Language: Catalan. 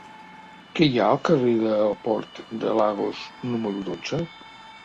Què hi ha al carrer del Port de Lagos número dotze?